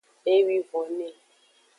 Ewivone.